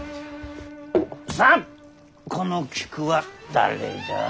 さあこの菊は誰じゃ？